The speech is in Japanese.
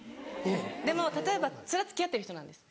でも例えばそれは付き合ってる人なんです。